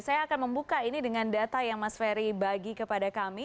saya akan membuka ini dengan data yang mas ferry bagi kepada kami